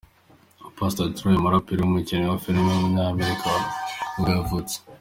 Pastor Troy, umuraperi akaba n’umukinnyi wa filime w’umunyamerika nibwo yavutse.